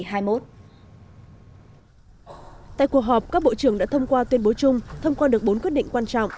tại cuộc họp các bộ trưởng đã thông qua tuyên bố chung thông qua được bốn quyết định quan trọng